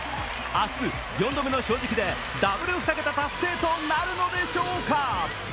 明日４度目の正直でダブル２桁達成となるんでしょうか。